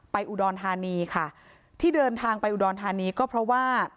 อุดรธานีค่ะที่เดินทางไปอุดรธานีก็เพราะว่า